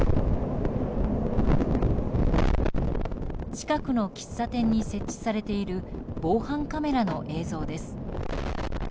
近くの喫茶店に設置されている防犯カメラの映像です。